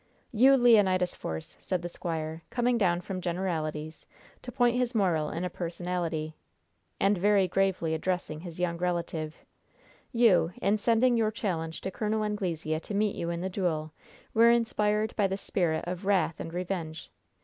"You, Leonidas Force," said the squire, coming down from generalities to point his moral in a personality, and very gravely addressing his young relative, "you, in sending your challenge to Col. Anglesea to meet you in the duel, were inspired by the spirit of wrath and revenge.